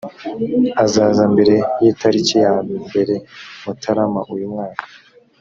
azaza mbere y ‘itarikiya mber mutarama uyumwaka.